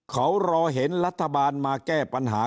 เขารอเห็นรัฐบาลมาแก้ปัญหา